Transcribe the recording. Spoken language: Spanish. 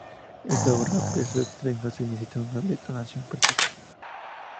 Esto ahorra peso extra y no se necesita una detonación precisa.